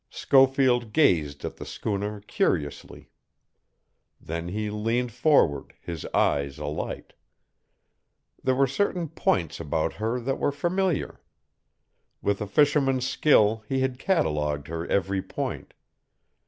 Schofield gazed at the schooner curiously. Then he leaned forward, his eyes alight. There were certain points about her that were familiar. With a fisherman's skill he had catalogued her every point.